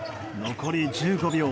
残り１５秒。